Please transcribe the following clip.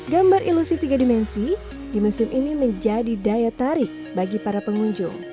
gambar ilusi tiga dimensi di museum ini menjadi daya tarik bagi para pengunjung